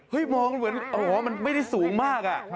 มองเหมือนอ๋อมันไม่ได้สูงมาก